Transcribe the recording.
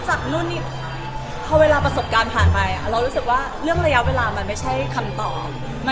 นู่นนี่พอเวลาประสบการณ์ผ่านไปเรารู้สึกว่าเรื่องระยะเวลามันไม่ใช่คำตอบ